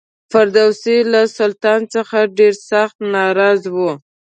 فردوسي له سلطان څخه ډېر سخت ناراض و.